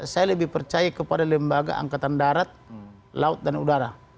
saya lebih percaya kepada lembaga angkatan darat laut dan udara